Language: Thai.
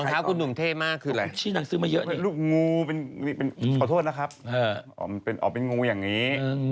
น้องเท้าคุณหนุ่มเท่มากคืออะไรลูกงูขอโทษนะครับอ๋อเป็นงูอย่างนี้